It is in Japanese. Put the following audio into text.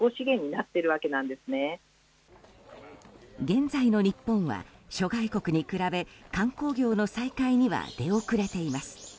現在の日本は諸外国に比べ観光業の再開には出遅れています。